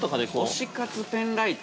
◆推し活ペンライト。